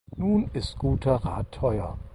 Nun ist guter Rat teuer.